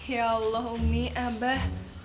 ya allah umi abah